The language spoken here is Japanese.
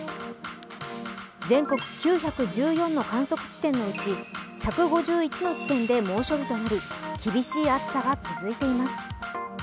全国９１４の観測地点のうち１５１の地点で猛暑日となり厳しい暑さが続いています。